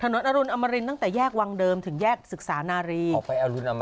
ถนนอรุณอมรินตั้งแต่แยกวังเดิมถึงแยกศึกษานารีออกไปอรุณอมริน